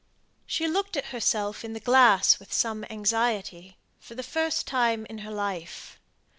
She looked at herself in the glass with some anxiety, for the first time in her life.